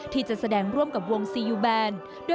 ที่จะแสดงร่วมกับวงซียูแบน